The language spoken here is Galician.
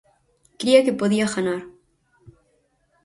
Cría que podía ganar.